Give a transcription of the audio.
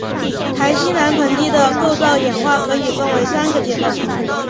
台西南盆地的构造演化可以分为三个阶段。